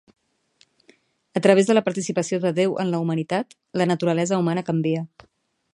A través de la participació de Déu en la humanitat, la naturalesa humana canvia.